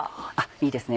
いいですね